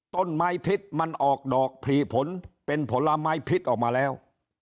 ต้นไม้พิษมันออกดอกผลีผลเป็นผลไม้พิษออกมาแล้ว